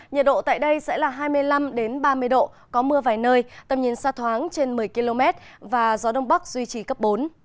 nhiệt độ tại đây sẽ là hai mươi năm ba mươi độ có mưa vài nơi tầm nhìn xa thoáng trên một mươi km và gió đông bắc duy trì cấp bốn